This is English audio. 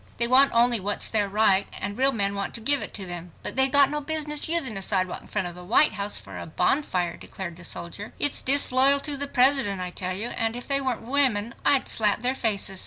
They want only what's their right and real men want to give it to them." "But they've got no business using a sidewalk in front of the White House for a bonfire," declared the soldier. "It's disloyal to the President, I tell you, and if they weren't women I'd slap their faces."